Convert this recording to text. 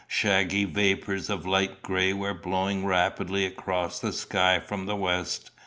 Shaggy vapours of light gray were blowing rapidly across the sky from the west.